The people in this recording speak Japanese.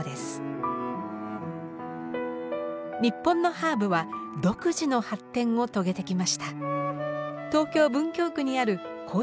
日本のハーブは独自の発展を遂げてきました。